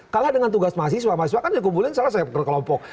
kalah dengan tugas mahasiswa mahasiswa kan dikumpulin secara sekelompok